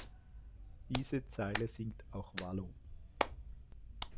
Diese Zeile singt auch Valo.